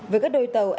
với các đôi tàu